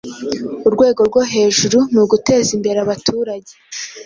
urwego rwo hejuru niugutezimbereabaturage